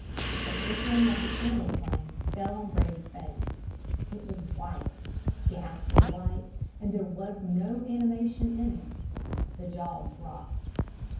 "The flickering of the candle flame fell on Brady's face. It was white ghastly white; there was no animation in it; the jaw dropped.